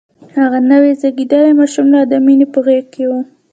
هغه نوی زيږدلی ماشوم لا د مينې په غېږ کې و.